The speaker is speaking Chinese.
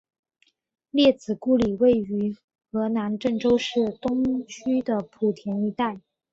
列子故里位于河南郑州市东区的圃田一带。